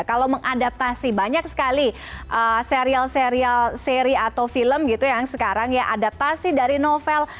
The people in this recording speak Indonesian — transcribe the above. kalau mengadaptasi banyak sekali serial serial seri atau film gitu yang sekarang ya adaptasi dari novel